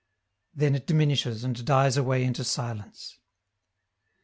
Then it diminishes, and dies away into silence.